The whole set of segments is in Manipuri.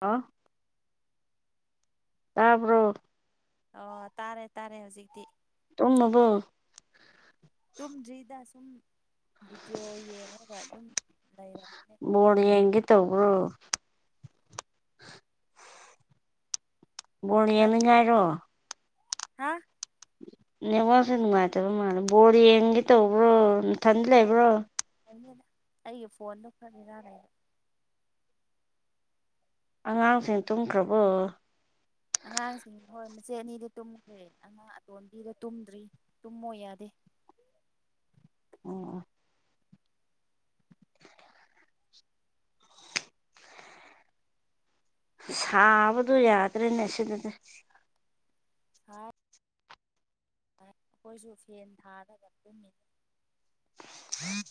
ꯑ ꯇꯥꯄꯔꯣ ꯑꯣ ꯇꯥꯔꯦ ꯇꯥꯔꯦ ꯍꯧꯖꯤꯛꯇꯤ ꯎꯕꯣ ꯇꯨꯝꯗ꯭ꯔꯤꯗ ꯁꯨꯝ ꯚꯤꯗꯤꯑꯣ ꯌꯦꯡꯉꯒ ꯑꯗꯨꯝ ꯂꯩꯔꯕ ꯕꯠ ꯌꯦꯡꯒꯦ ꯇꯧ꯭ꯔꯣ ꯕꯣꯔ ꯌꯦꯃꯤꯉꯥꯏꯔꯣ ꯍꯥꯥ ꯅꯉꯣꯟꯁꯦ ꯅꯨꯡꯉꯥꯏꯇꯕ ꯃꯥꯜꯂꯦ ꯕꯣꯔ ꯌꯦꯡꯒꯦ ꯇꯧꯕ꯭ꯔꯣ ꯅꯊꯟꯗꯤ ꯂꯩꯕ꯭ꯔꯣ ꯍꯥꯏꯅꯤꯗ ꯑꯩꯒꯤ ꯐꯣꯟꯗꯣ ꯈꯪꯖꯤꯔꯥꯅꯦꯗ ꯑꯉꯥꯡꯁꯤꯡ ꯇꯨꯝꯈ꯭ꯔꯕꯣ ꯑꯉꯥꯡꯁꯤꯡ ꯍꯣꯏ ꯃꯆꯦꯠ ꯑꯅꯤꯗꯤ ꯇꯨꯝꯈ꯭ꯔꯦ ꯑꯉꯥꯡ ꯑꯇꯣꯟꯕꯤꯗ ꯇꯨꯝꯗ꯭ꯔꯤ ꯇꯨꯝꯃꯣꯏ ꯌꯥꯗꯦ ꯎ ꯎ ꯁꯥꯕꯗꯣ ꯌꯥꯗ꯭ꯔꯦꯅꯦ ꯁꯤꯗꯗꯤ ꯁꯥꯔ ꯑꯩꯈꯣꯏꯁꯨ ꯐꯦꯟ ꯊꯥꯔꯒ ꯇꯨꯝꯃꯤꯅꯤ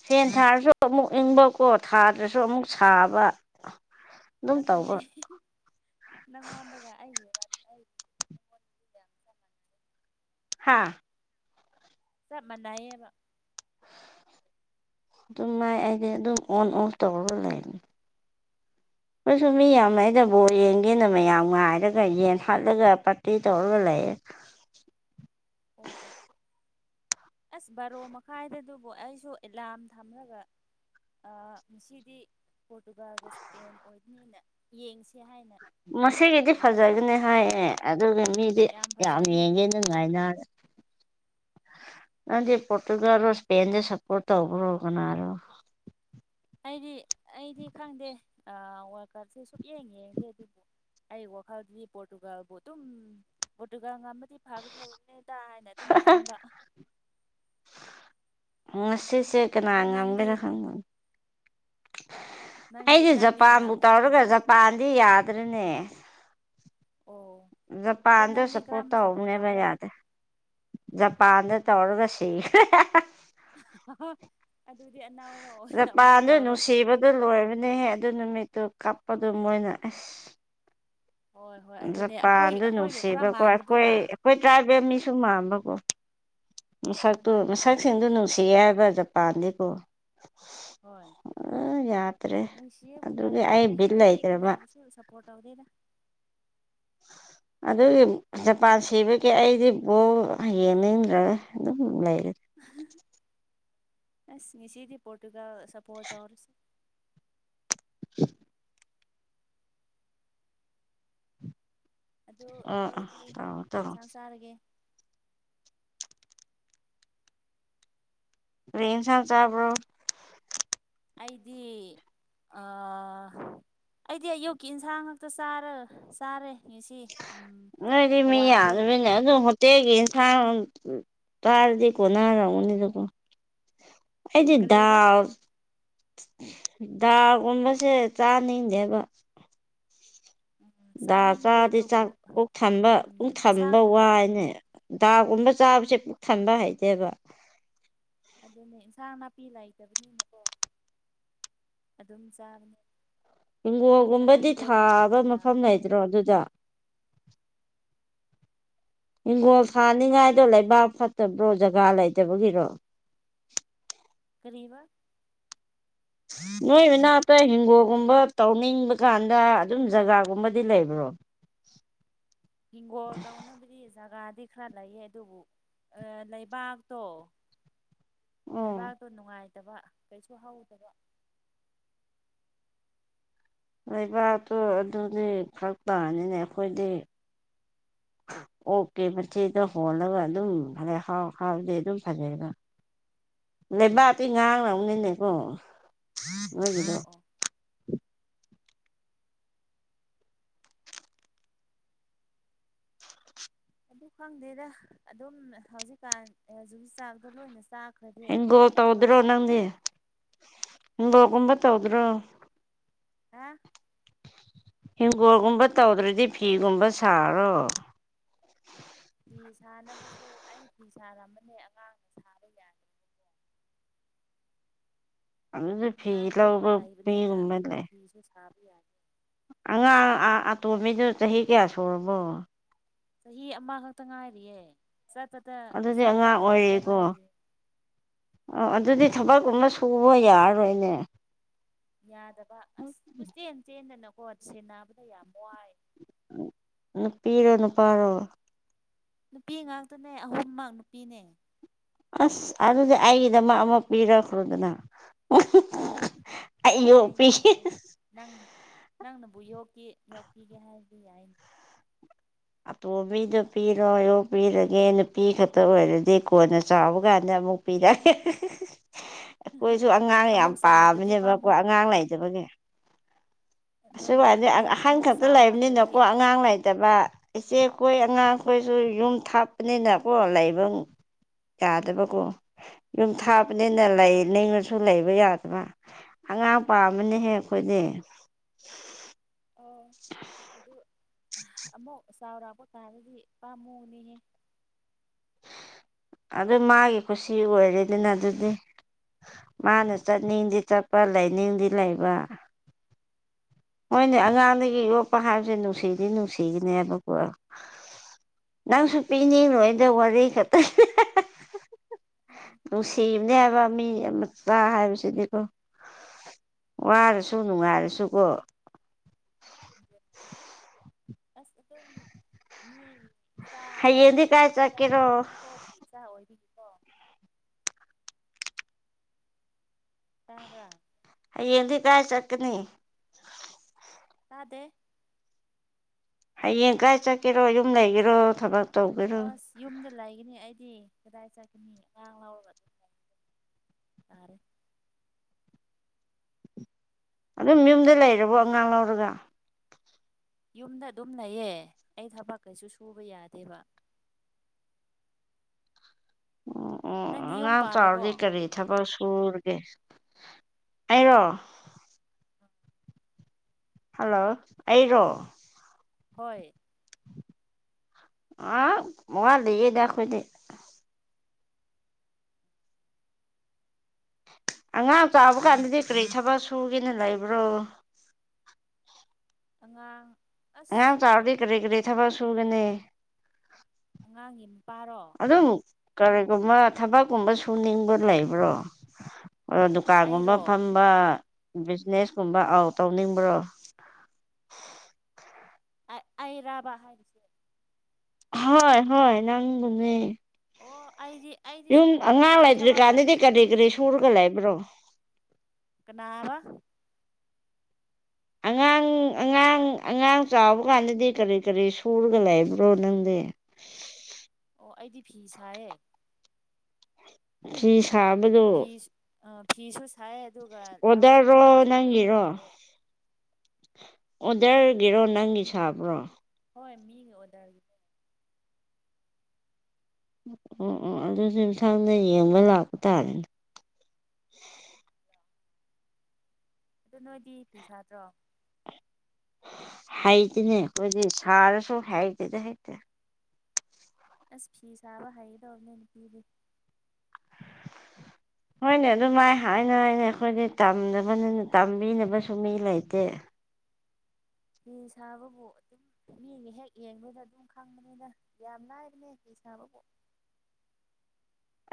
ꯁꯦꯟ ꯊꯥꯔꯁꯨ ꯑꯃꯨꯛ ꯏꯪꯕꯀꯣ ꯊꯥꯗ꯭ꯔꯁꯨ ꯑꯃꯨꯛ ꯁꯥꯕ ꯑꯗꯨꯝ ꯑꯗꯨꯅꯦ ꯇꯧꯕ ꯅꯪꯉꯣꯟꯗꯒ ꯑꯩꯒꯤ ꯋꯥ [inaudible] ꯑ ꯆ ꯃꯅꯌꯦꯦ ꯑꯃ ꯑꯗꯨ ꯃꯥꯏꯒꯦ ꯑꯗꯨꯝ ꯑꯣꯟ ꯑꯣꯐ ꯇꯧꯔ ꯂꯩꯅꯤ ꯑꯣꯏꯁꯨ ꯃꯤ ꯌꯥꯝ ꯑꯗꯣ ꯍꯥꯏꯗꯕꯣꯔ ꯌꯦꯡꯒꯦꯅ ꯃꯌꯥꯝ ꯅꯨꯡ ꯉꯥꯏꯔꯒ ꯌꯦꯟ ꯍꯥꯠꯂꯒ ꯄꯥꯔꯇꯤ ꯇꯧꯔꯒ ꯂꯩꯌꯦ ꯑꯣ ꯑꯣ ꯑꯁ ꯕꯥꯔꯣ ꯃꯈꯥꯏꯗꯗꯨꯕꯨ ꯑꯩꯁꯨ ꯑꯦꯂꯥꯝ ꯊꯝꯂꯒ ꯉꯁꯤꯗꯤ ꯄꯣꯔꯇꯨꯒꯥꯜꯒ ꯏꯁꯄꯦꯟ ꯑꯣꯏꯕꯅꯤꯅ ꯌꯦꯡꯁꯤ ꯃꯁꯤꯒꯤꯗꯤ ꯐꯖꯒꯅꯤ ꯍꯥꯏꯌꯦ ꯑꯗꯨꯒꯤ ꯃꯤꯗꯤ ꯌꯥꯝ ꯌꯦꯡꯒꯦ ꯅꯨꯡꯉꯥꯏꯅ [inaudible] ꯅꯗꯤ ꯄꯣꯣꯔꯇꯨꯒꯜ ꯏꯁꯄꯦꯟꯗ ꯁꯄꯣꯔꯠ ꯇ ꯑꯣꯕ꯭ꯔꯣꯒꯣ ꯑꯩꯗꯤ ꯑꯩꯗꯤ ꯈꯪꯗꯦ ꯋꯥꯔꯀꯔꯁꯦ ꯁꯨꯛ ꯌꯦꯡꯉꯦ ꯌꯦꯡꯗꯦ ꯑꯗꯨꯕꯨ ꯑꯩ ꯋꯥꯈꯜꯗꯤ ꯄꯣꯣꯔꯇꯨꯒꯒꯥꯜꯕꯨꯣ ꯑꯗꯨ ꯄꯣꯇꯨꯒꯥ ꯉꯝꯃꯦ ꯤ ꯐꯈꯤꯗ꯭ꯔꯕꯅꯦꯗ ꯍꯥꯏꯅ ꯑꯗꯨꯝ ꯈꯟꯕ ꯉꯁꯤꯁꯦ ꯀꯅꯥ ꯑꯗꯨ ꯅꯪꯗꯤ ꯉꯥꯡꯕꯤꯔ ꯈꯪꯕꯅꯤ ꯅꯪꯗꯤ ꯑꯩꯗꯤ ꯅꯪꯗꯤ ꯖꯄꯥꯟꯕꯨ ꯀꯅꯥꯕꯨ ꯁꯞꯄꯣꯔꯠ ꯇꯧꯔꯒ ꯇꯧꯕ꯭ꯔꯥ ꯖꯄꯥꯟꯗꯤ ꯌꯥꯗ꯭ꯔꯅꯦ ꯑꯣ ꯑꯗꯨ ꯖꯄꯥꯟꯗ ꯅꯪꯗꯤ ꯁꯞꯄꯣꯔꯠ ꯀꯔꯝꯕ ꯇꯧꯍꯧꯅꯦꯕ ꯇꯧꯕ꯭ꯔꯥ ꯌꯥꯗꯦ ꯖꯄꯥꯟꯗ ꯇꯧꯔꯒ ꯁꯤ [inaudible] ꯑꯅꯧꯕ ꯑꯣꯏꯅ ꯑꯃꯨꯛ ꯅꯄꯥꯟꯗ ꯇꯧꯔꯣ ꯅꯨꯡꯁꯤꯕꯗꯣ ꯂꯣꯏꯕꯅꯦꯍꯦ ꯑꯗꯨ ꯅꯨꯃꯤꯠ ꯇ ꯀꯞꯄꯗꯨ ꯃꯣꯏꯅꯁ ꯍꯣꯏ ꯍꯣꯏ ꯑꯗꯨꯅꯦ ꯑꯩꯈꯣꯏ ꯖꯄꯥꯟꯗ ꯑꯩꯈꯣꯏꯒ ꯈꯔ ꯅꯨꯡꯁꯤꯕꯀꯣ ꯑꯩꯈꯣꯏ ꯃꯥꯟꯕꯗꯨꯔꯥ ꯑꯩꯈꯣꯏ ꯇ꯭ꯔꯥꯏꯕꯦꯜ ꯃꯤꯁꯨ ꯃꯝꯕꯀꯣ ꯑꯣ ꯑꯣ ꯃꯁꯛꯇꯨ ꯃꯥꯅꯦ ꯃꯥꯅꯦ ꯃꯁꯛꯁꯤꯡꯗꯨ ꯅꯨꯡꯁꯤ ꯍꯥꯏꯕ ꯖꯄꯥꯟꯗꯤꯀꯣ ꯍꯣꯏ ꯑ ꯌꯥꯗ꯭ꯔꯦ ꯅꯨꯡꯁꯤꯕ ꯎꯄꯥꯏ ꯑꯗꯨꯒꯤ ꯑꯩ ꯂꯩꯇ꯭ꯔꯦ ꯕꯤꯠ ꯑꯩꯗꯤ ꯂꯩꯇ꯭ꯔꯕ ꯀꯅꯥꯕꯨꯁꯨ ꯁꯞꯄꯣꯔꯠ ꯇꯧꯗꯦꯗ [inaudible] ꯑꯗꯨꯒꯤ ꯖꯄꯥꯟ ꯁꯤꯕꯒꯤ ꯑꯩꯗꯤ ꯕꯣꯛ ꯌꯦꯡꯅꯤꯡꯗ꯭ꯔꯒ ꯑꯗꯨꯝ ꯂꯩ ꯑ ꯑꯁ ꯁꯤꯗꯤ ꯄꯣꯇꯒ ꯁꯄ ꯑꯣꯔꯁ [inaudible] ꯑꯗꯨ ꯑꯥ ꯑꯥ ꯅꯣꯏꯗꯤ ꯇꯧꯔꯣ ꯀꯩ ꯇꯧꯔꯣ ꯌꯦꯟꯁꯥꯡ ꯆꯥꯔꯒꯦ ꯁꯥꯡ ꯆꯥꯕꯔꯣ ꯑꯩꯗꯤ ꯑ ꯑꯩꯗꯤ ꯑꯌꯨꯛꯀꯤ ꯏꯟꯁꯥꯡ ꯉꯥꯛꯇ ꯆꯥꯔ ꯆꯥꯔꯦ ꯉꯁꯤ ꯎꯝ ꯑꯣꯏꯣꯏꯗꯤ ꯃꯤ ꯍꯋꯥꯏꯗꯣ ꯌꯥꯗꯕꯅꯦ ꯑꯗꯨ ꯍꯇꯦꯒꯤ ꯇꯔꯗꯤꯀꯣꯅꯔꯅꯤꯗ ꯑꯩꯗꯤ ꯎ ꯀꯔꯤꯕ ꯗꯥꯒꯨꯝꯕꯁꯦ ꯆꯥꯅꯤꯡꯖꯦꯕ ꯎꯝ ꯗꯥ ꯆꯥꯅꯤꯡꯗꯦ ꯆꯥꯗꯤ ꯑꯗꯨꯕꯨ ꯆꯥꯛ ꯀꯣꯛ ꯊꯝꯕ ꯎꯝ ꯀꯣꯛ ꯊꯝꯕ ꯏꯟꯁꯥꯡ ꯋꯥꯏꯅꯦ ꯗꯥꯒꯨꯝꯕ ꯆꯥꯕꯁꯦ ꯄꯨꯛ ꯊꯟꯕ ꯍꯥꯏꯩꯇꯦꯕ ꯑꯗꯨꯅꯦ ꯏꯟꯁꯥꯡ ꯅꯥꯄꯤ ꯂꯩꯇꯕꯅꯤꯅꯀꯣ ꯑꯗꯨꯝ ꯆꯔꯅꯤ ꯍꯤꯡꯒꯣꯜꯒꯨꯝꯕꯗꯤ ꯊꯥꯕ ꯗꯥꯜ ꯃꯐꯝ ꯂꯩꯗ꯭ꯔꯣ ꯑꯗꯨꯗ ꯍꯤꯡꯈꯣꯜ ꯊꯥꯅꯤꯡꯉꯥꯏꯗꯣ ꯂꯩꯕꯥꯛ ꯐꯠꯇꯕ꯭ꯔꯣ ꯖꯒꯥ ꯂꯩꯇꯕꯒꯤꯔꯣ ꯀꯔꯤꯕꯥ ꯅꯣꯏ ꯃꯅꯥꯛꯇ ꯍꯤꯡꯒꯣꯜꯒꯨꯝꯕ ꯇꯧꯅꯤꯡꯕ ꯀꯥꯟꯗ ꯑꯗꯨꯝ ꯖꯒꯥꯒꯨꯝꯕꯗꯤ ꯂꯩꯕ꯭ꯔꯥ ꯍ ꯏꯉꯣ ꯇꯧꯅ ꯐꯖꯒꯥ ꯗꯤ ꯈꯔ ꯂꯩꯌꯦ ꯑꯗꯨꯕꯨ ꯂꯩꯕꯥꯛꯇꯣ ꯑꯣ ꯂꯩꯕꯥꯛꯇꯣ ꯅꯨꯡꯉꯥꯏꯇꯕ ꯀꯩꯁꯨ ꯍꯧꯗꯕ ꯂꯩꯕꯥꯛꯇꯣ ꯑꯗꯨꯗꯤ ꯈꯔ ꯇꯅꯤꯅ ꯑꯩꯈꯣꯏꯗꯤ [inaudible] [inaudible] ꯑꯣꯛꯀꯦ ꯃꯊꯦꯗ ꯍꯣꯜꯂꯒ ꯑꯗꯨꯝ ꯐꯔꯦ ꯍꯥꯎ ꯍꯥꯎꯕꯗꯤ ꯑꯗꯨꯝ ꯐꯖꯩꯕ [inaudible] ꯑꯣ ꯂꯩꯕꯥꯛꯇꯤ ꯉꯥꯡꯅ ꯑꯃꯅꯤꯅꯦꯀꯣ ꯅꯣꯏꯒꯤꯗꯣ ꯑꯣ ꯑꯣ ꯑꯗꯨ ꯈꯪꯗꯦꯗ ꯑꯗꯨꯝ ꯍꯧꯖꯤꯛꯀꯥꯟ ꯖꯨꯕꯤ ꯆꯥꯛꯗꯣ ꯂꯣꯏꯅ ꯆꯥꯛ ꯍꯤꯡꯒꯣꯜ ꯇꯧꯗ꯭ꯔꯣ ꯅꯪꯗꯤ ꯍꯤꯡꯒꯣꯜꯒꯨꯝꯕ ꯇꯧꯗ꯭ꯔꯣ ꯑ ꯍꯪꯒꯣꯜꯒꯨꯝꯕ ꯇꯧꯗ꯭ꯔꯗꯤ ꯐꯤꯒꯨꯝꯕ ꯁꯥꯔꯣ ꯐ ꯁꯥꯔ ꯑꯃꯅꯦ ꯑꯉꯥꯡꯅ ꯁꯥꯕ ꯌꯥꯗꯀꯣ ꯑ ꯐꯤ ꯄꯤꯛꯄ ꯂꯎꯕ ꯐꯤꯒꯨꯝꯕ ꯂꯩꯦ ꯌꯥꯦ ꯑꯉꯥꯡ ꯑꯇꯣꯝꯕꯤꯗꯨ ꯆꯍꯤ ꯀꯌꯥ ꯁꯨꯔꯕꯣ ꯆꯍꯤ ꯑꯃꯈꯛꯇ ꯉꯥꯏꯔꯤꯌꯦꯦ ꯆꯠꯄꯗ ꯑꯗꯨꯗꯤ ꯆꯠꯄ ꯍꯥꯏꯩꯕꯗ ꯉꯥꯏꯔꯤꯌꯦ ꯑꯣ ꯑꯗꯨꯗꯤ ꯊꯕꯛꯨꯝ ꯑꯃ ꯁꯨꯕ ꯌꯥꯔꯔꯣꯏꯅꯦ ꯌꯥꯗꯕ ꯑꯁ ꯀꯆꯦꯟ ꯆꯦꯟꯗꯅꯀꯣ ꯁꯦꯟꯅꯕꯗ ꯌꯥꯝ ꯋꯥꯏ ꯅ ꯄꯤꯔꯣ ꯅ ꯄꯥꯔꯣ ꯅꯨꯄꯤ ꯉꯥꯛꯇꯅꯦ ꯑꯍꯨꯝꯃꯛ ꯅꯨꯄꯤꯅꯦ ꯑꯁ ꯑꯗꯨꯗꯤ ꯑꯩꯒꯤꯗ ꯃꯥ ꯑꯃ ꯄꯤꯔꯛꯈ꯭ꯔꯣꯗꯅ ꯑꯩ ꯌꯣꯛꯄꯤ ꯌꯥꯏꯅꯦ ꯌꯥꯏꯅꯦ ꯅꯪꯅ ꯅꯪꯅꯕꯨ ꯌꯣꯛꯈꯤ ꯌꯣꯛꯄꯤꯒꯦ ꯍꯥꯏꯕꯗꯤ ꯌꯥꯏꯅꯤ ꯑꯇꯣꯝꯕꯤꯗꯨꯣ ꯄꯤꯔꯣꯏ ꯑꯣꯣ ꯄꯤꯔꯒꯦ ꯅꯨꯄꯤ ꯈꯛꯇ ꯑꯣꯏꯔꯗꯤ ꯀꯣꯟꯅ ꯆꯥꯎꯕ ꯀꯥꯟꯗ ꯑꯃꯨꯛ ꯄꯤꯔꯦ ꯑꯩꯈꯣꯏꯁꯨ ꯑꯉꯥꯡ ꯌꯥꯝ ꯑꯃꯨꯛ ꯆꯥꯎꯈ꯭ꯔꯗꯤ ꯄꯥꯝꯝꯕꯅꯦꯕ ꯄꯥꯝꯃꯨ ꯑꯩꯀꯣꯏ ꯑꯉꯥꯡ ꯂꯩꯇꯕꯒꯤ ꯅꯣꯏꯗꯤ ꯑꯗꯤ ꯑꯃꯨꯛ ꯑꯍꯟ ꯑꯃꯨꯛ ꯈꯛꯇ ꯆꯥꯎꯔꯛꯈ꯭ꯔꯗꯤ ꯂꯩꯕꯅꯤꯅꯀꯣ ꯑꯉꯥꯡ ꯂꯩꯇ ꯂꯩꯇꯕ ꯏꯆꯦꯈꯣꯏ ꯑꯉꯥꯡꯈꯣꯏꯁꯨ ꯌꯨꯝ ꯊꯥꯞꯄꯅꯤꯅꯀꯣ ꯂꯩꯕ ꯌꯥꯗꯕꯀꯣ ꯌꯨꯝ ꯊꯥꯕꯅꯤꯅ ꯂꯩ ꯅꯤꯡꯉꯁꯨ ꯂꯩꯕ ꯌꯥꯗꯕ ꯑꯉꯥꯡ ꯄꯥꯝꯝꯕꯅꯍꯦꯛ ꯑꯩꯈꯣꯏꯗꯤ ꯑꯣ ꯑꯗꯨ ꯑꯃꯨꯛ ꯆꯥꯎꯔꯥꯛꯄ ꯀꯥꯟꯗꯗꯤꯄꯥꯥꯝꯃꯨꯅꯦꯍꯦ ꯑꯗꯨ ꯃꯥꯒꯤꯦꯀꯣ ꯁꯤ ꯑꯣꯏꯔꯦꯗꯅ ꯑꯗꯨꯗꯤ ꯃꯥꯅ ꯆꯠꯅꯤꯡꯗꯤ ꯆꯠꯄ ꯂꯩꯅꯤꯡꯗꯤ ꯂꯩꯕ ꯍꯣꯏꯅꯦ ꯑꯉꯥꯡꯗꯒꯤ ꯌꯣꯛꯄ ꯍꯥꯏꯕꯁꯦ ꯅꯨꯡꯁꯤꯗꯤ ꯅꯨꯡꯁꯤꯒꯅꯦꯕꯀꯣ ꯅꯪꯁꯨꯄꯤꯤꯅꯤ ꯅꯣꯣꯏꯗ ꯋꯥꯗꯦ ꯈꯠꯇ ꯅꯨꯡꯁꯤꯕꯅꯦ ꯑꯗꯨꯅꯦ ꯍꯥꯏꯕ ꯑꯗꯨ ꯃꯤ ꯃꯆꯥ ꯍꯥꯏꯕꯁꯤꯗꯤ ꯑꯣ ꯋꯥꯔꯁꯨ ꯅꯨꯡꯉꯥꯏꯔꯁꯨꯀꯣ ꯑꯁ ꯑꯗꯨ ꯃꯤ ꯏꯆꯥ ꯍꯌꯦꯡꯗꯤ ꯍꯥꯏꯕꯗꯤ ꯀꯥꯏ ꯏꯆꯥ ꯏ ꯆꯠꯀꯦꯔꯣ ꯀꯣꯛꯊꯣꯛꯄꯤ ꯏꯆꯥ ꯑꯣꯏꯕꯤꯅꯤ ꯇꯥꯕ꯭ꯔꯥ ꯑꯩꯌꯦꯡꯗꯤ ꯀꯥꯏ ꯆꯀꯅꯤ ꯇꯥꯗꯦ ꯍꯌꯦꯡ ꯀꯥꯏ ꯆꯠꯀꯦꯔꯣ ꯌꯨꯝ ꯂꯩꯒꯦꯔꯣ ꯊꯕꯛ ꯇꯧꯒꯦꯔꯣ ꯑꯁ ꯌꯨꯝꯗ ꯂꯩꯒꯅꯤ ꯑꯩꯗꯤ ꯗꯥ ꯆ ꯀ ꯃꯤ ꯂ ꯇꯔꯦ ꯑꯗꯨꯝ ꯌꯨꯝꯗ ꯂꯩꯔꯕꯣ ꯑꯉꯥꯡ ꯂꯧꯔꯒ ꯌꯨꯝꯗ ꯑꯗꯨꯝ ꯂꯩꯌꯦ ꯑꯩ ꯊꯕꯛ ꯀꯩꯁꯨ ꯁꯨꯕ ꯌꯥꯗꯦꯕ ꯑꯣ ꯑꯣ ꯅꯪꯗꯤ ꯌꯨꯝ ꯑꯉꯥꯡ ꯄꯥꯜꯂꯕꯣ ꯆꯥꯎꯔꯗꯤ ꯀꯔꯤ ꯊꯕꯛ ꯄꯨꯔꯒꯦ ꯑꯩꯔꯣ ꯍꯜꯂꯣ ꯑꯩꯔꯣ ꯍꯣꯏ ꯑ ꯃꯉ ꯂꯩꯌꯦꯗ ꯈꯣꯏꯗ ꯑꯉꯥꯡ ꯆꯥꯕ ꯀꯥꯟꯗꯗꯤ ꯀꯔꯤ ꯊꯕꯛ ꯁꯨꯒꯦꯅ ꯂꯩꯕ꯭ꯔꯣ ꯑꯉꯥꯡ ꯑꯁ ꯑꯉꯥꯡ ꯆꯥꯎꯔꯗꯤ ꯑꯗꯨꯝ ꯀꯔꯤ ꯀꯔꯤ ꯊꯕꯛ ꯁꯨꯒꯅꯤ ꯑꯉꯥꯡꯒꯤ ꯃꯄꯥꯔꯣ ꯑꯗꯨꯝ ꯀꯔꯤꯒꯨꯝꯕ ꯊꯕꯛꯀꯨꯝꯕ ꯁꯨꯅꯤꯡꯕ ꯂꯩꯕ꯭ꯔꯣ ꯗꯨꯀꯥꯟꯒꯨꯝꯕ ꯑꯩꯔꯣ ꯐꯝꯕ ꯕꯤꯖꯤꯅꯦꯁꯀꯨꯝꯕ ꯑꯥꯎ ꯇꯧꯅꯤꯡꯕ꯭ꯔꯣ ꯑꯩ ꯔꯥꯕꯥ ꯍꯥꯏꯔꯤꯁꯦ ꯍꯣꯏ ꯍꯣꯏ ꯅꯪꯒꯅꯦ ꯑꯣ ꯑꯩꯗꯤ ꯑꯩꯗꯤ ꯌꯨꯝ ꯁꯨ ꯑꯉꯥꯡ ꯑꯩꯗꯤ ꯊꯕꯛ ꯌꯥꯝ ꯂꯩꯇ꯭ꯔꯤꯀꯥꯟꯗꯗꯤ ꯀꯔꯤ ꯀꯔꯤ ꯁꯨꯅꯤꯡꯉꯦ ꯁꯨꯔꯒ ꯂꯩꯕ꯭ꯔꯣ ꯀꯅꯥꯕ [unintelligible] ꯑꯉꯥꯡ ꯑꯉꯥꯡ ꯑꯉꯥꯡ ꯆꯥꯎꯕ ꯀꯥꯟꯗꯗꯤ ꯀꯔꯤ ꯀꯔꯤ ꯁꯨꯔꯒ ꯂꯩꯕ꯭ꯔꯣ ꯅꯪꯗꯤ ꯑꯣ ꯑꯩꯗꯤ ꯐꯤ ꯁꯥꯏꯌꯦ ꯐꯤ ꯁꯥꯕꯗꯣ ꯐꯤ ꯐꯤꯁꯨ ꯁꯥꯏ ꯑꯗꯨꯒ ꯂꯧ ꯑꯣꯗꯔꯔꯣ ꯂꯧꯁꯨ ꯈꯔ ꯈꯔ ꯅꯪꯒꯤꯔꯣ ꯇꯧꯋꯦ ꯑꯣꯗꯔꯒꯤꯔꯣ ꯅꯪꯒꯤ ꯁꯥꯕ꯭ꯔꯣ ꯍꯣꯏ ꯃꯤ ꯑꯣꯗꯔꯒꯤ ꯑꯣ ꯑꯣ ꯑꯗꯨꯁꯨ ꯏꯝꯊꯥꯡꯗ ꯌꯦꯡꯕ ꯂꯥꯛꯄ ꯇꯥꯔꯦꯅꯦ [unintelligible] ꯑꯗꯨ ꯅꯣꯏꯗꯤ ꯐꯤ ꯁꯥꯠꯇ꯭ꯔꯣ ꯍꯩꯇꯅꯦ ꯀ ꯁꯔ ꯁ ꯍꯇꯗ ꯍꯥꯏꯇ ꯑꯁ ꯐꯤ ꯁꯥꯥꯕ ꯍꯥꯏꯗꯅꯅꯤ ꯀꯗꯤ ꯍꯣꯏꯅꯦ ꯑꯗꯨꯃꯥꯏ ꯍꯥꯏꯅ ꯍꯥꯏꯅꯦ ꯑꯩꯈꯣꯏꯗꯤ ꯇꯝꯗꯅꯕꯅꯤꯅ ꯇꯝꯕꯤꯅꯕꯁꯨ ꯃꯤ ꯂꯩꯇꯦ [unintelligible] ꯐꯤ ꯁꯥꯕꯕꯨ ꯑꯗꯨꯝ ꯃꯤꯒꯤ ꯍꯦꯛ ꯌꯦꯡꯕꯗ ꯑꯗꯨꯝ ꯈꯪꯕꯅꯤꯅ ꯌꯥꯝ ꯂꯥꯏꯔꯅꯦ ꯆꯕꯣ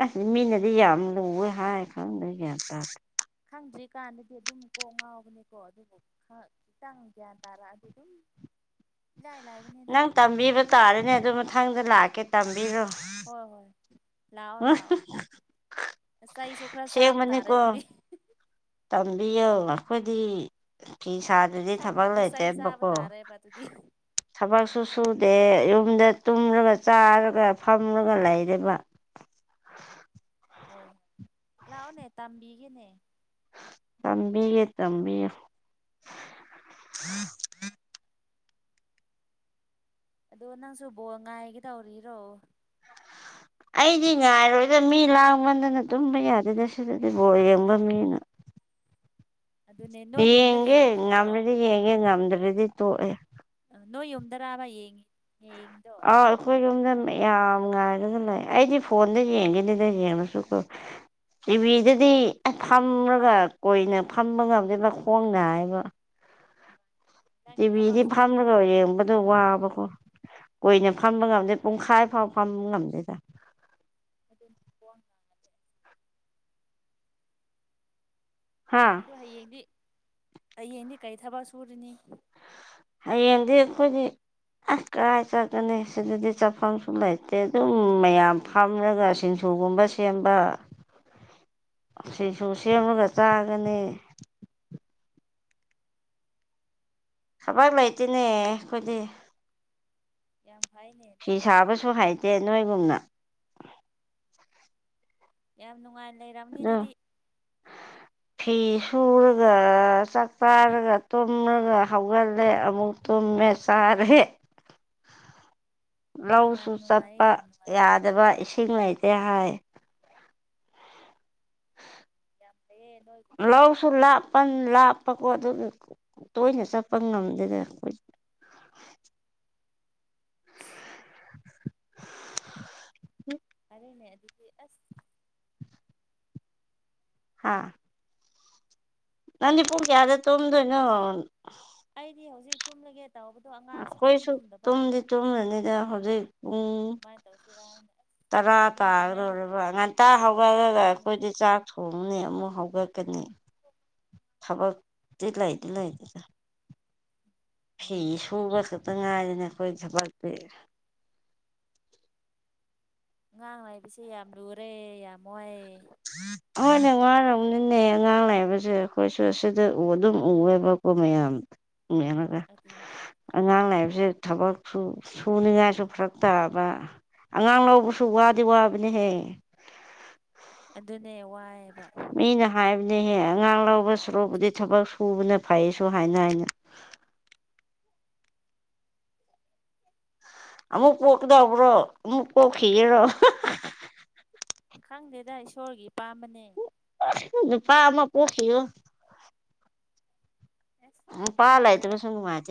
ꯑꯁꯗꯤ ꯃꯤꯅꯗꯤ ꯌꯥꯝ ꯂꯨꯋꯦ ꯍꯥꯏ ꯈꯪꯗꯦ ꯒ꯭ꯌꯥꯟ ꯇꯥꯗꯦ ꯈꯪꯗ꯭ꯔꯤ ꯀꯥꯟꯗꯗꯤ ꯑꯗꯨꯝ ꯀꯣꯛ ꯉꯥꯎꯕꯅꯦꯀꯣ ꯑꯗꯨꯕꯨ ꯈꯤꯇꯪ ꯒ꯭ꯌꯥꯟ ꯇꯥꯔꯛꯑꯗꯤ ꯑꯗꯨꯝ ꯏꯂꯥꯏ ꯂꯥꯏꯕꯅꯤꯗ ꯅꯪ ꯇꯝꯕꯤꯕ ꯇꯥꯔꯦꯅꯦ ꯑꯗꯨ ꯃꯊꯪꯗ ꯂꯥꯛꯀꯦ ꯇꯝꯕꯤꯔꯣ ꯍꯣꯏ ꯍꯣꯏ ꯂꯥꯛꯑꯣ ꯎꯝ ꯂꯥꯛꯑꯣꯁꯥꯏꯁꯨꯈ꯭ꯔꯥ ꯆꯥꯕ ꯇꯥꯔꯦ ꯁꯦꯡꯕꯅꯤꯀꯣ ꯑꯗꯨꯤꯗꯤ ꯇꯝꯕꯤꯌꯣ ꯑꯩꯈꯣꯏꯗꯤ ꯐ ꯁꯥꯗꯨꯗꯤ ꯊꯕꯛ ꯈꯪꯗꯨꯗꯤ ꯆꯩ ꯆꯥꯕ ꯇꯥꯔꯦꯕ ꯑꯗꯨꯗꯤ ꯂꯩꯇꯦꯕꯀꯣꯕꯛ ꯁꯨ ꯁꯨꯗꯦ ꯌꯨꯝꯗ ꯇꯨꯝꯂꯒ ꯆꯥꯔꯒ ꯐꯝꯂꯒ ꯂꯩꯔꯦꯕ ꯍꯣꯏꯣꯏ ꯂꯥꯛꯑꯣꯅꯦ ꯇꯝꯕꯤꯒꯤꯅꯦ ꯆꯝꯕꯤꯦ ꯆꯕꯤ ꯑꯗꯣ ꯅꯪꯁꯨ ꯕꯣꯟ ꯉꯥꯏꯒꯤ ꯇꯧꯔꯤꯔꯣ ꯑꯩꯗꯤ ꯉꯥꯏꯔꯣꯏꯗ ꯃꯤ ꯂꯥꯡꯕꯗꯅ ꯇꯨꯝꯕ ꯌꯥꯗꯦꯗ ꯁꯤꯗꯗꯤ ꯕꯣꯔ ꯌꯦꯡꯕ ꯃꯤꯅ [unintelligible] ꯑꯗꯨꯅꯦ ꯅꯣꯏ ꯌꯨꯝꯗ ꯌꯦꯒꯦ ꯌꯦꯡꯉꯤꯕ꯭ꯔꯣ ꯅꯝ꯭ꯔꯗꯤ ꯌꯦꯡꯦ ꯅꯝꯗ꯭ꯔꯗꯤ ꯇꯣ ꯅꯣ ꯌꯝꯗꯔꯥꯕ ꯌꯦꯡꯉꯤ ꯌꯦꯡꯉꯤꯗꯣ ꯑ ꯑꯩꯈꯣꯏ ꯀꯨꯝꯖ ꯌꯥꯝ ꯉꯥꯏꯗꯅ ꯂꯩ ꯑꯩꯗꯤ ꯐꯣꯟꯗ ꯌꯦꯡꯈꯤꯅꯤꯗ ꯌꯦꯡꯉꯁꯨ ꯀꯣ ꯇꯤꯚꯤꯗꯗꯤ ꯑ ꯐꯝꯂꯒ ꯀꯣꯏꯅ ꯐꯝꯕ ꯉꯝꯗꯦ ꯃꯈ ꯈꯣꯡꯅ ꯍꯥꯏꯕ ꯅꯪꯗꯤ ꯊꯕꯛ ꯇꯤꯚꯤꯗꯤ ꯐꯝꯃꯒ ꯊꯕꯛ ꯌꯥꯝ ꯌꯦꯡꯕꯗꯣ ꯀꯟꯕꯒꯤ ꯋꯥꯕꯀꯣ ꯑꯣꯏꯔꯝꯅꯤ ꯀꯣꯏꯏꯅ ꯐꯝꯃꯒ ꯑꯝ ꯄꯨꯡꯈꯥꯏ ꯐꯥꯎ ꯐꯝꯕ ꯉꯝꯗꯦꯗ ꯐꯦ ꯍꯥ ꯑꯗꯨ ꯍꯌꯦꯡꯗꯤ ꯍꯌꯦꯡꯗꯤ ꯀꯔꯤ ꯊꯕꯛ ꯁꯨꯔꯤꯅꯤ ꯑꯩꯡꯗꯤ ꯀꯣꯏꯗꯤ ꯑꯁ ꯀꯗꯥꯥꯏ ꯆꯠꯀꯅꯤ ꯁꯤꯗꯗꯤ ꯆꯥꯐꯝꯁꯨ ꯂꯩꯇꯦ ꯑꯗꯨꯝ ꯃꯌꯥꯝ ꯐꯝꯂꯒ ꯁꯤꯁꯨ ꯎꯨꯒꯨꯝꯕ ꯁꯦꯝꯕ [inaudible] ꯑꯁꯤꯁꯨ ꯁꯦꯝꯃꯒ ꯆꯥꯒꯅꯤ ꯈꯕꯔ ꯂꯩꯥꯏꯇꯅꯦ ꯀꯣꯏꯂꯤ ꯌꯥꯝ ꯐꯩꯅꯦ ꯐꯤ ꯅꯣꯏꯗꯤ ꯁꯥꯕꯁꯨ ꯅꯨꯡꯉꯥꯏꯅꯦ ꯍꯩꯇꯦ ꯅꯣꯏꯒꯨꯝꯅ ꯌꯥꯝ ꯅꯨꯡꯉꯥꯏ ꯂꯩꯝꯅꯤ ꯑꯗꯨ ꯑꯗꯨꯗꯤ ꯐꯤ ꯁꯨꯔꯒ ꯆꯥꯛꯇꯥꯔꯒ ꯇꯨꯝꯂꯒ ꯍꯧꯒꯠꯂꯦ ꯑꯃꯨꯛꯨꯝ ꯃ ꯁꯥꯔꯦ [inaudible] ꯌꯥꯝ ꯂꯧꯁꯨ ꯅꯨꯡꯉꯥꯏꯌꯦ ꯆꯠꯄ ꯌꯥꯝ ꯅꯨꯡꯉꯥꯏ ꯌꯥꯗꯕ ꯏꯁꯤꯡ ꯂꯩꯇꯦ ꯍꯥꯏ ꯌꯥꯝ ꯐꯩꯌꯦ ꯅꯣꯏꯒꯨꯝꯅ ꯂꯧꯁꯨ ꯂꯩꯅꯤꯡꯉꯦ ꯑꯩꯗꯤ ꯂꯥꯞꯄꯅꯤ ꯂꯥꯄꯀ ꯑꯗꯨ ꯇꯣꯏꯅ ꯆꯠꯄ ꯉꯝꯗꯦꯗ ꯑꯩꯣꯏ [inaudible] ꯍ ꯑꯔꯦꯅꯦ ꯑꯗꯨꯗꯤ ꯑꯁ ꯍꯥꯥ ꯅꯪꯗꯤ ꯄꯨꯡ ꯀꯌꯥꯗ ꯇꯨꯝꯗꯣꯏꯅꯣ ꯑꯩꯗꯤ ꯍꯧꯖꯤꯛ ꯇꯨꯝꯂꯒꯦ ꯇꯧꯕꯗꯣ ꯑꯉꯥꯡ ꯁꯁꯨꯛ ꯇꯨꯝ ꯑꯩꯈꯣꯏꯁꯨ ꯇꯨꯝꯗꯕ ꯇꯨꯝꯗꯤ ꯑꯗꯨꯒꯤ ꯇꯨꯝꯂꯅꯤꯗ ꯏꯄꯥꯕꯨ ꯍꯧꯖꯤꯛ ꯄꯨꯡ ꯁꯨꯃꯥꯏꯅ ꯇꯧꯁꯤꯔꯥ ꯍꯥꯏꯅꯁ ꯇꯔꯥ ꯇꯥꯒꯗꯣꯏꯔꯕ ꯉꯟꯇꯥ ꯀꯣꯜ ꯈꯔ ꯍꯧꯒꯠꯂꯒ ꯇꯧꯒꯦ ꯑꯩꯈꯣꯏꯗꯤ ꯆꯥꯛ ꯊꯣꯡꯅꯤ ꯑꯃꯨꯛ ꯍꯧꯒꯠꯀꯅꯤ ꯑꯣ ꯊꯕꯗꯤꯤ ꯂꯩꯗꯤ ꯂꯩꯇꯦꯗ ꯐꯤ ꯃꯤ ꯁꯕꯁ ꯇꯉꯥꯏꯗꯅꯦ ꯑꯩꯈꯣꯏ ꯊꯕꯛ ꯄꯤꯔ ꯉꯉꯥꯡ ꯉꯥꯏꯕꯤꯁꯦ ꯌꯥꯝ ꯂꯨꯔꯦ ꯌꯥꯝ ꯋꯥ ꯎꯝ ꯍꯣꯏꯅ ꯉꯥꯏꯔꯔꯕꯅꯤꯅꯦ ꯑꯉꯥꯡ ꯂꯥꯛꯏꯕꯁꯦ ꯑꯩꯈꯣꯏꯁꯨ ꯑꯁꯤꯗ ꯎ ꯑꯗꯨꯝ ꯎꯋꯦꯕꯀꯣ ꯃꯌꯥꯝ ꯌꯦꯃꯒ ꯑꯗꯨꯅꯦ ꯑꯉꯥꯡ ꯂꯥꯛꯏꯕꯕꯁꯤꯦ ꯊꯕꯛꯁꯨ ꯁꯨꯅꯤꯉꯥꯏꯁꯨ ꯐꯔꯛ ꯇꯥꯕ ꯑꯉꯥꯡ ꯂꯧꯕꯁꯨ ꯋꯥꯗꯤ ꯋꯥꯕꯅꯤꯍꯦ ꯑꯗꯨꯅꯦ ꯋꯥꯏ ꯃꯤ ꯅ ꯍꯦ ꯑꯉꯥꯡ ꯂꯧꯕ ꯁꯨꯔꯨꯕꯨꯗꯤ ꯊꯕꯛ ꯁꯨꯕꯅ ꯐꯩꯁꯨ ꯍꯥꯏꯅ ꯍꯥꯏꯅ ꯑꯃꯃꯛ ꯄꯣꯛ ꯀꯗꯕ꯭ꯔꯣ ꯑꯃꯛ ꯄꯣꯛ ꯈꯔꯣ ꯈꯪꯗꯦꯗ ꯏꯁꯣꯔꯒꯤ ꯏꯄꯥꯝꯕꯅꯦ ꯑ ꯄꯥ ꯑꯃ ꯄꯣꯈꯣ ꯑꯁ ꯎꯝ ꯄꯥꯂꯥꯏ ꯇ ꯈꯪꯗ꯭ꯔꯦꯗ ꯀ ꯁꯪꯒ ꯃꯥꯦ